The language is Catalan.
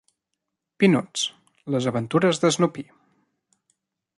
Peanuts: Les aventures d'Snoopy.